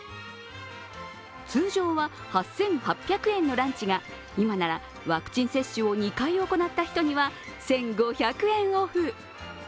通常は８８００円のランチが、今ならワクチン接種を２回行った人には２５００円オフ。